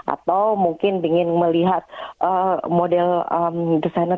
atau mungkin ingin melihat model desainer